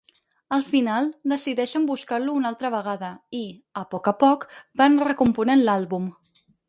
Al final, decideixen buscar-lo una altra vegada i, a poc a poc, van recomponent l'àlbum.